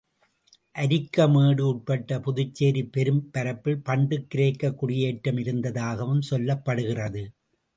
அரிக்கமேடு உட்பட்ட புதுச்சேரிப் பெரும்பரப்பில் பண்டு கிரேக்கக் குடியேற்றம் இருந்ததாகவும் சொல்லப்படுகிறது.